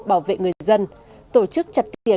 bảo vệ người dân tổ chức chặt tỉa